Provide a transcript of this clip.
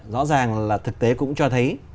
rõ ràng là thực tế cũng cho thấy